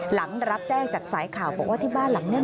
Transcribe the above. หลังรับแจ้งจากสายข่าวบอกว่าที่บ้านหลังนี้